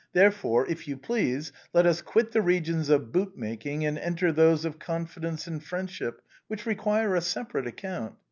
Therefore, if you please, let us quit the re gions of bootmaking and enter those of confidence and friendship which require a separate account.